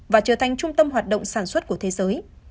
và trở thành trung tâm hoạt động sản xuất của thế giới